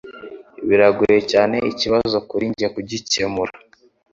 Biragoye cyane ikibazo kuri njye kugikemura.